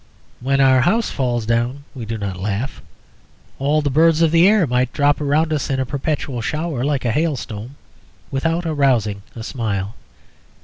When our house falls down we do not laugh. All the birds of the air might drop around us in a perpetual shower like a hailstorm without arousing a smile.